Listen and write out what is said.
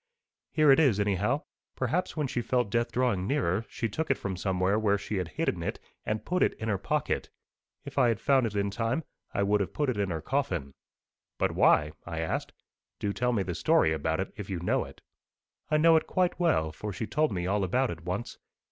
Here it is, anyhow. Perhaps when she felt death drawing nearer, she took it from somewhere where she had hidden it, and put it in her pocket. If I had found it in time, I would have put it in her coffin.' 'But why?' I asked. 'Do tell me the story about it, if you know it.' 'I know it quite well, for she told me all about it once.